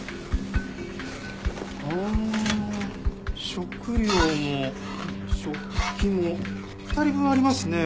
食料も食器も２人分ありますね。